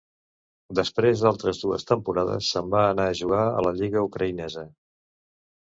Després d'altres dues temporades se'n va anar a jugar a la lliga ucraïnesa.